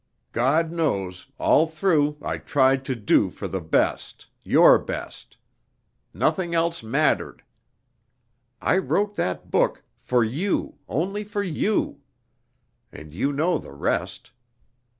God knows, all through I tried to do for the best your best. Nothing else mattered. I wrote that book for you, only for you! And you know the rest.